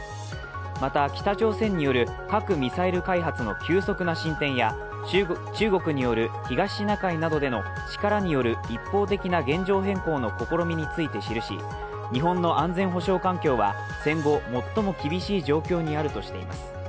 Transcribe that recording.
また北朝鮮による核・ミサイル開発の急速な進展や中国による東シナ海などでの力による一方的な現状変更の試みについて記し日本の安全保障環境は戦後最も厳しい状況にあるとしています。